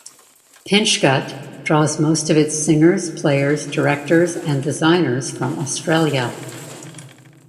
Pinchgut draws most of its singers, players, directors and designers from Australia.